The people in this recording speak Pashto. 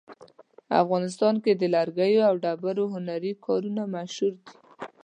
افغانستان کې د لرګیو او ډبرو هنري کارونه مشهور دي